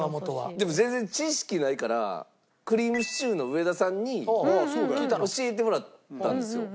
でも全然知識ないからくりぃむしちゅーの上田さんに教えてもらったんですよ。